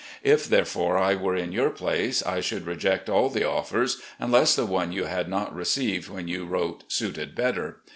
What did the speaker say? If, therefore, I were in your place, I should reject all the offers, unless the one you had not received when you wrote suited better.